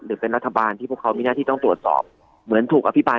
หรือเป็นรัฐบาลที่พวกเขามีหน้าที่ต้องตรวจสอบเหมือนถูกอภิปราย